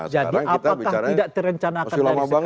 jadi apakah tidak terencanakan dari sekarang